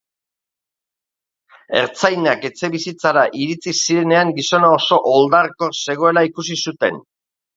Ertzainak etxebizitzara iritsi zirenean, gizona oso oldarkor zegoela ikusi zuten.